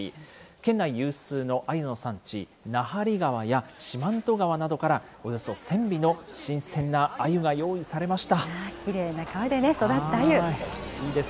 県内有数のあゆの産地、奈半利川や四万十川などから、およそ１０００尾の新鮮なあゆが用意されました。